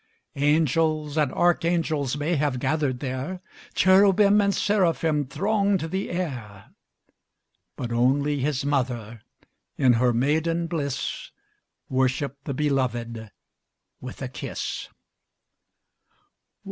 Angels and archangels May have gathered there, Cherubim and seraphim Thronged the air; But only His mother, In her maiden bliss, Worshipped the Beloved With a kiss.